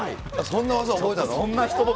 そんな技、覚えたの？